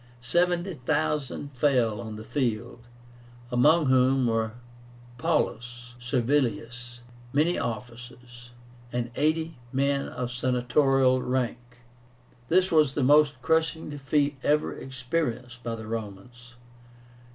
Seventy thousand fell on the field, among whom were Paullus, Servilius, many officers, and eighty men of senatorial rank. This was the most crushing defeat ever experienced by the Romans.